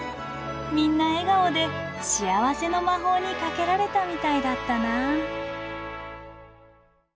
みんな笑顔で幸せの魔法にかけられたみたいだったな。